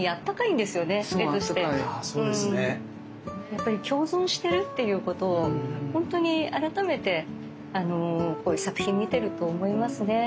やっぱり共存してるっていうことをほんとに改めてこういう作品見てると思いますね。